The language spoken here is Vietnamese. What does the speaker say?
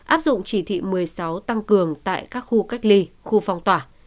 áp dụng chỉ thị một mươi sáu tăng cường tại các khu cách ly khu phong tỏa